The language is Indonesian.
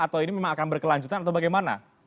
atau ini memang akan berkelanjutan atau bagaimana